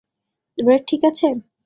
Red ঠিক আছে?